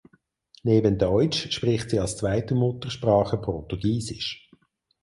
Neben Deutsch spricht sie als zweite Muttersprache Portugiesisch.